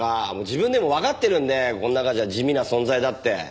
自分でもわかってるんでこの中じゃ地味な存在だって。